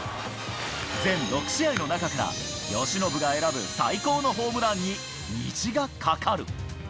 全６試合の中から由伸が選ぶ、最高のホームランに虹がかかる！